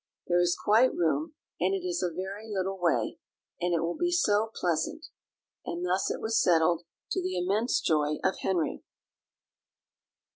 There is quite room, and it is a very little way, and it will be so pleasant;" and thus it was settled, to the immense joy of Henry.